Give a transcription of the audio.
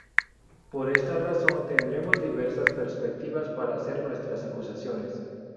Por esta razón tendremos diversas perspectivas para hacer nuestras acusaciones.